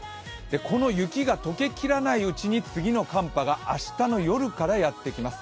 この雪が溶けきれないうちに次の寒波が明日の夜からやってきます。